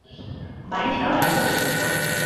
বাড়ি যাও আর তোমার ওষুধ খাও।